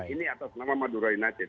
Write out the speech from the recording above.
ini atas nama madurai nacet